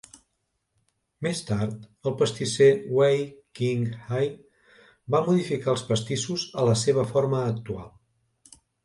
Més tard, el pastisser Wei Qing-hai va modificar els pastissos a la seva forma actual.